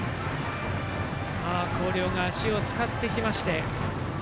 広陵が足を使ってきました。